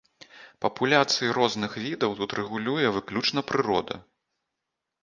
Папуляцыі розных відаў тут рэгулюе выключна прырода.